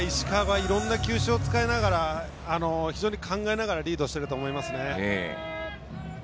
いろんな球種を使いながら考えながらリードしていると思いますね。